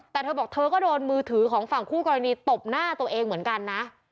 แต่เธอบอกเธอก็โดนมือถือของฝั่งคู่กรณีตบหน้าตัวเองเหมือนกันนะ